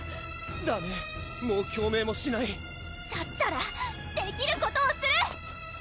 ダメもう共鳴もしないだったらできることをする！